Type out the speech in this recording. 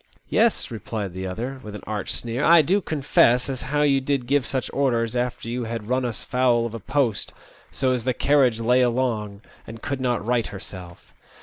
"Yes," replied the other, with an arch sneer, " I do confess as how you did give such orders after you had run us foul of a post, so as the carriage lay along and could not right herself."